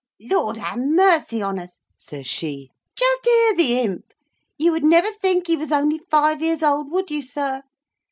"Lord ha' mercy on us!" says she, "just hear the imp. You would never think he was only five years old, would you, sir?